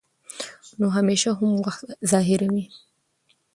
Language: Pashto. نو همېشه هم وخت ظاهروي